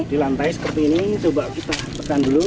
di lantai seperti ini coba kita tekan dulu